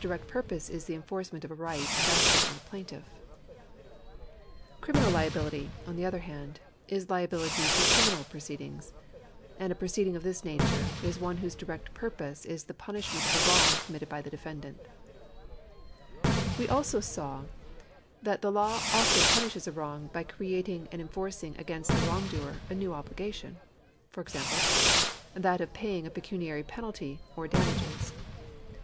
Supra, § 77. 319 320 LIABILITY [§ 125 liability, on the other hand, is liability to criminal proceedings, and a proceeding of this nature is one whose direct purpose is the punishment of a wrong committed by the dcfendant.i^ Wc also saw tliat the law often punishes a wrong by creat ing and enforcing against the wrongdoer a new obligation : for example, that of paying a pecuniary penalty or damages.